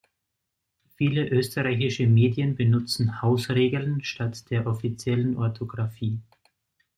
Viele österreichische Medien benutzen Hausregeln statt der offiziellen Orthographie.